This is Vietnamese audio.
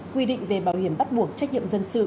quy định về bảo hiểm bắt buộc trách nhiệm dân sự